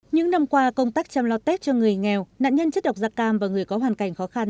những năm qua công tác chăm lo tết cho người nghèo nạn nhân chất độc da cam và người có hoàn cảnh khó khăn